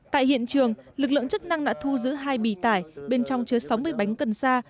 tại hiện trường lực lượng chức năng đã thu giữ hai bì tải bên trong chứa sáu mươi bánh cần sa